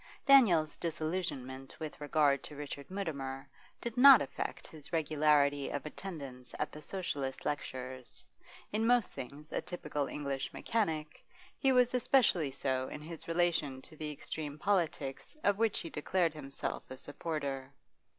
Daniel's disillusionment with regard to Richard Mutimer did not affect his regularity of attendance at the Socialist lectures, in most things a typical English mechanic, he was especially so in his relation to the extreme politics of which he declared himself a supporter.